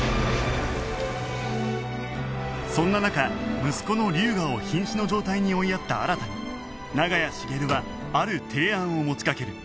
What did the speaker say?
そんな中息子の龍河を瀕死の状態に追いやった新に長屋茂はある提案を持ちかける